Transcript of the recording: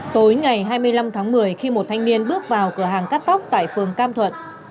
tối ngày hai mươi năm tháng một mươi khi một thanh niên bước vào cửa hàng cắt tóc tại phường cam thuận